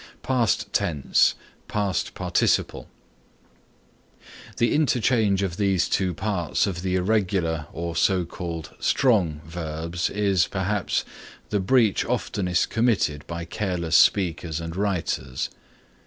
PAST TENSE PAST PARTICIPLE The interchange of these two parts of the irregular or so called strong verbs is, perhaps, the breach oftenest committed by careless speakers and writers.